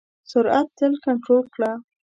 سرعت تل کنټرول کړه.